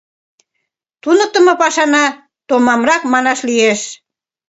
Туныктымо пашана томамрак манаш лиеш.